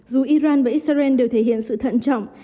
dù iran và israel đều thể hiện sự thận trọng